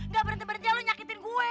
gak berhenti berhenti lu nyakitin gue